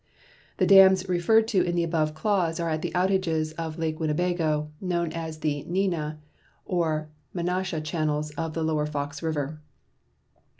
The dams referred to in the above clause are at the outlets of Lake Winnebago, known as the Neenah or Menasha channels of the Lower Fox River.